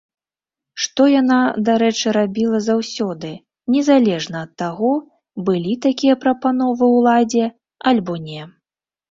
Што яна, дарэчы рабіла заўсёды, незалежна ад таго, былі такія прапановы ўладзе, альбо не.